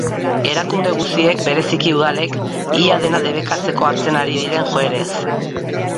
Erakunde guziek, bereziki udalek, ia dena debekatzeko hartzen ari diren joerez.